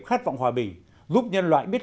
khát vọng hòa bình giúp nhân loại biết